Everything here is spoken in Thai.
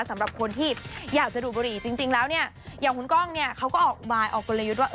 สำหรับคนที่อยากจะดูดบุหรี่จริงแล้วเนี่ยอย่างคุณก้องเนี่ยเขาก็ออกอุบายออกกลยุทธ์ว่า